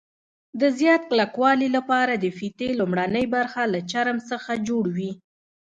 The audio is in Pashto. د زیات کلکوالي لپاره د فیتې لومړنۍ برخه له چرم څخه جوړوي.